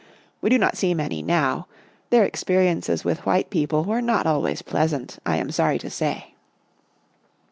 We do not see many now, their experi ences with white people were not always pleas ant, I am sorry to say."